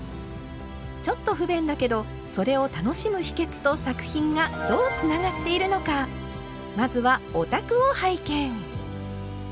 ちょっと不便だけどそれを楽しむ秘けつと作品がどうつながっているのかまずはお宅を拝見！